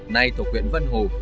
nay thuộc huyện vân hồ